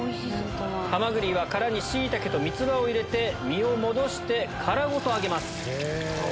ハマグリは殻にシイタケと三つ葉を入れて身を戻して殻ごと揚げます。